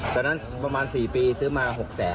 ตอนนั้นประมาณ๔ปีซื้อมา๖๐๐๐๐๐